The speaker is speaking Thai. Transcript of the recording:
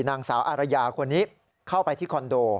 นางสาวอารยาคนนี้เข้าไปที่คอนโด